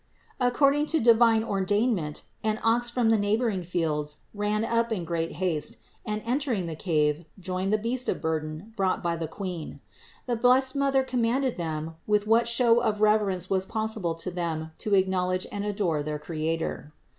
According to divine ordainment an ox from the neighboring fields ran up in great haste and, entering the cave, joined the beast of burden brought by the Queen. The blessed Mother commanded them, with what show of reverence was possible to them to acknowl edge and adore their Creator.